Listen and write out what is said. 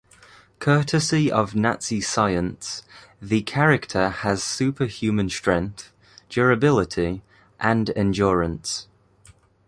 Courtesy of Nazi science, the character has superhuman strength, durability, and endurance.